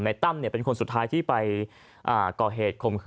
สุดท้ายตัดสินใจเดินทางไปร้องทุกข์การถูกกระทำชำระวจริงและตอนนี้ก็มีภาวะซึมเศร้าด้วยนะครับ